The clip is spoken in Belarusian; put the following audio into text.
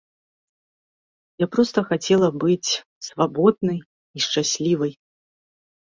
Я проста хацела быць свабоднай і шчаслівай.